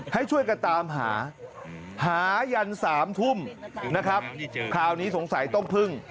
ให้ช่วยกันตามหาหายัน๓ทุ่มนะครับคราวนี้สงสัยต้องพึ่ง